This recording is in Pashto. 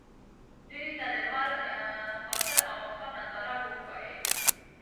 دوی ته د لمر خاته او ماښام ننداره وښایئ.